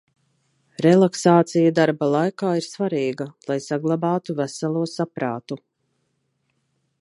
Relaksācija darba laikā ir svarīga, lai saglabātu veselo saprātu.